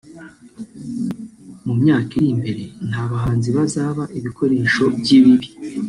mu myaka iri imbere nta bahanzi bazaba ibikoresho by’ibibi